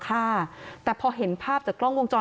กลุ่มวัยรุ่นกลัวว่าจะไม่ได้รับความเป็นธรรมทางด้านคดีจะคืบหน้า